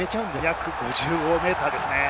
約５５ｍです。